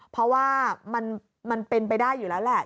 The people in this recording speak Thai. เพราะว่ามันเป็นไปได้อยู่แล้วแหละ